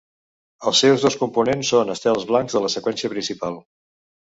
Els seus dos components són estels blancs de la seqüència principal.